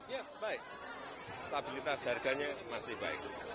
ya baik stabilitas harganya masih baik